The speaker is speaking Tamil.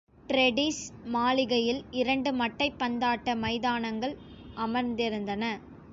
ட்ரெடிஸ் மாளிகையில் இரண்டு மட்டைப் பந்தாட்ட மைதானங்கள் அமைந்திருந்தன.